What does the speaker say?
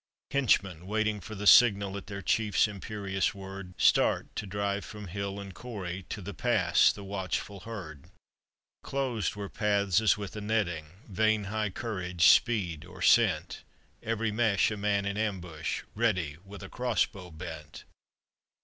Henchmen, waiting for the signal At their chief's imperious word, Start, to drive from hill and corrie To the pass the watchful herd. Closed were paths as with a netting, Vain high courage, speed or scent; Every mesh a man in ambush Ready, with a cross bow bent.